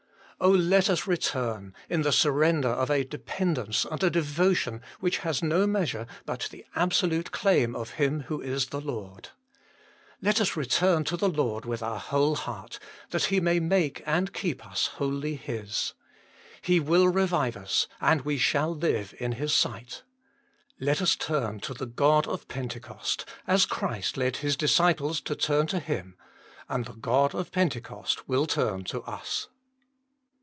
Oh, let us return, in the surrender of a dependence and a devotion which has no measure but the absolute claim of Him who is the Lord ! Let us return to the Lord with our whole heart, that He may make and keep us wholly His. He will revive us, and we shall live in His sight. Let us turn to the God of Pentecost, as Christ led His disciples to turn to Him, and the God of Pentecost will turn to us.